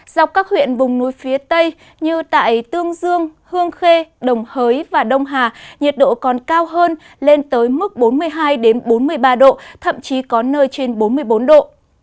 dọc các huyện vùng núi phía tây như tại tương dương hương khê đồng hới và đông hà nhiệt độ còn cao hơn lên tới mức bốn mươi hai bốn mươi ba độ thậm chí có nơi trên bốn mươi bốn độ